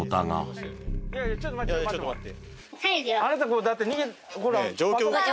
ちょっと待ってちょっと待って。